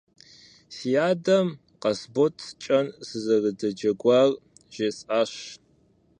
Си адэм Къасбот кӀэн сызэрыдэджэгуар жесӀащ.